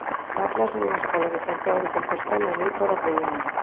Dá clase nunha escola de Santiago de Compostela e noutra da Coruña.